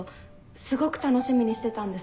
すごく楽しみにしてたんです。